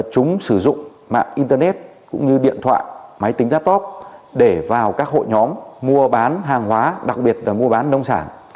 chúng sử dụng mạng internet cũng như điện thoại máy tính laptop để vào các hội nhóm mua bán hàng hóa đặc biệt là mua bán nông sản